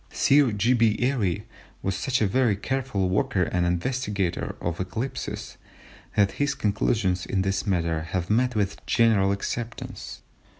Sir G. B. Airy was such a very careful worker and investigator of eclipses that his conclusions in this matter have met with general acceptance.